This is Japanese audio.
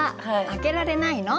開けられないの！」。